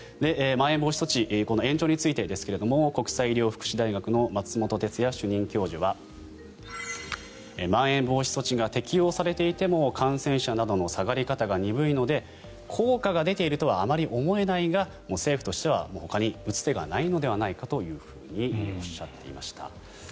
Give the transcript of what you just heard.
まん延防止措置延長についてですが国際医療福祉大学の松本哲哉主任教授はまん延防止措置が適用されていても感染者などの下がり方が鈍いので効果が出ているとはあまり思えないが政府としては、もうほかに打つ手がないんじゃないかとおっしゃっていました。